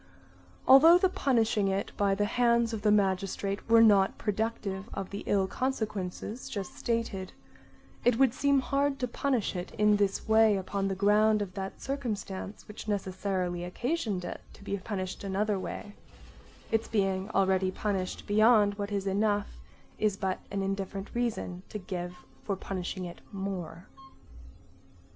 Although the punishing it by the hands of the magistrate were not productive of the ill consequences just stated, it would seem hard to punish it in this way upon the ground of that circumstance which necessarily occasions it to be punished another way; its being already punished beyond what is enough is but an indifferent reason to give for punishing it more.